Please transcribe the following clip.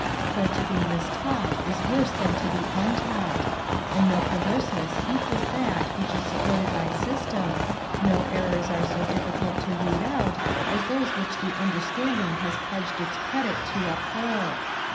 For to be mistaught is worse than to be untaught; and no perverseness equals that which is supported by system, no errors are so difficult to root out as those which the understanding has pledged its credit to uphold.